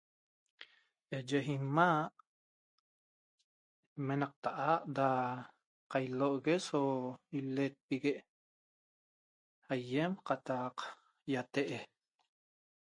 Eye imaa' imenaqtaha da cailoogue so ileutopigue aiem cataq iatee'